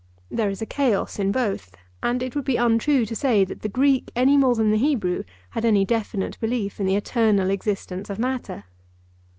There is a chaos in both, and it would be untrue to say that the Greek, any more than the Hebrew, had any definite belief in the eternal existence of matter.